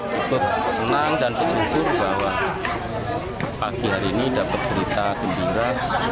saya senang dan penyukur bahwa pagi hari ini dapat berita kembira